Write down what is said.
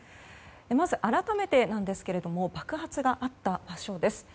まず、改めてなんですが爆発があった場所です。